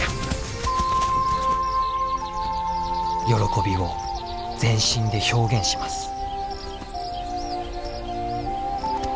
喜びを全身で表現します。